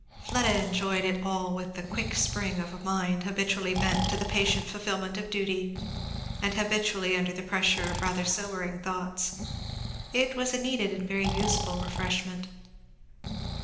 Fleda enjoyed it all with the quick spring of a mind habitually bent to the patient fulfilment of duty and habitually under the pressure of rather sobering thoughts. It was a needed and very useful refreshment.